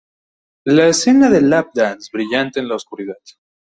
La escena de lap-dance brillante en la oscuridad".